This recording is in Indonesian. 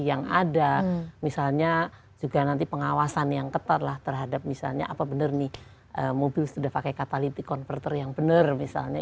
yang ada misalnya juga nanti pengawasan yang ketat lah terhadap misalnya apa benar nih mobil sudah pakai catality converter yang benar misalnya